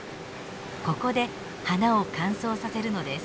ここで花を乾燥させるのです。